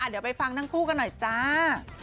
เดี๋ยวไปฟังทั้งคู่กันหน่อยจ้า